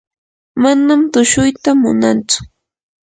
manam tushuyta munantsu.